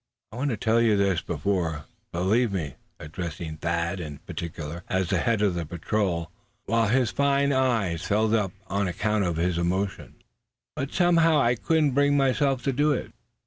I wanted to tell you this before, believe me, suh," addressing Thad in particular, as the head of the patrol; while his fine eyes filled up on account of his emotion; "but somehow I couldn't bring myself to do it.